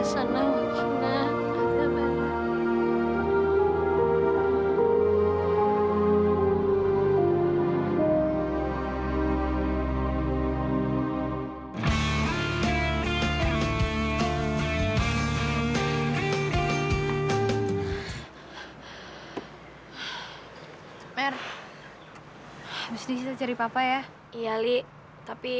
saya sendiri sendiri yang masih hidup